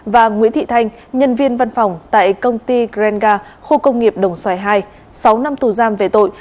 và nguyễn thị thanh nhân viên văn phòng tại công ty greenga khu công nghiệp đồng xoài hai sáu năm tù giam về tội